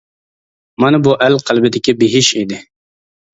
مانا بۇ ئەل قەلبىدىكى بېھىش ئىدى!